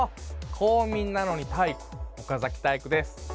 公民なのにタイイク岡崎体育です。